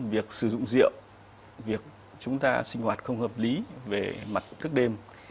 việc sử dụng rượu việc chúng ta sinh hoạt không hợp lý về mặt thức đêm